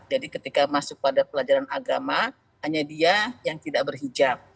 ketika masuk pada pelajaran agama hanya dia yang tidak berhijab